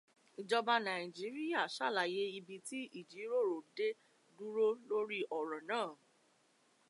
Ìjọba Nàíjíríà ṣàlàyé ibi tí ìjíròrò dé dúró lórí ọ̀rọ̀ náà.